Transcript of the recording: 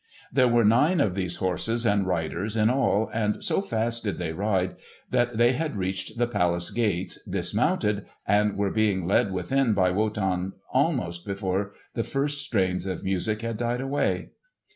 There were nine of these horses and riders in all, and so fast did they ride that they had reached the palace gates, dismounted, and were being led within by Wotan almost before the first strains of music had died away.